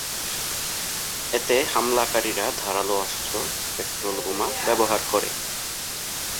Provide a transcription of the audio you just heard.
এতে হামলাকারীরা ধারালো অস্ত্র, পেট্রোল বোমা ব্যবহার করে।